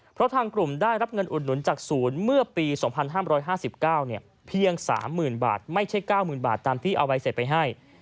เพราะทางกลุ่มได้รับเงินอุดหนุนจากศูนย์เมื่อปี๒๕๕๙เพียง๓๐๐๐บาทไม่ใช่๙๐๐บาทตามที่เอาใบเสร็จไปให้